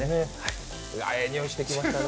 ええ匂いしてきました。